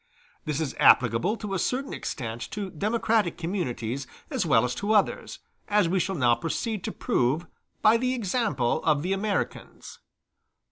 This is applicable to a certain extent to democratic communities as well as to others, as we shall now proceed to prove by the example of the Americans.